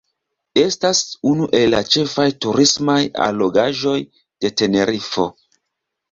Estas unu el la ĉefaj turismaj allogaĵoj de Tenerifo.